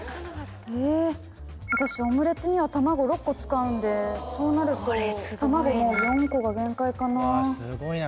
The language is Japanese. えぇ私オムレツには卵６個使うんでそうなると卵もう４個が限界かな？